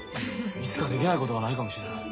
いつかできないことはないかもしれない。